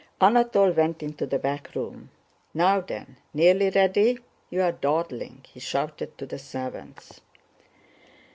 Anatole went into the back room. "Now then! Nearly ready? You're dawdling!" he shouted to the servants.